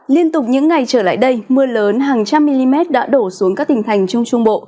liên tục những ngày trở lại đây mưa lớn hàng trăm mm đã đổ xuống các tỉnh thành trung trung bộ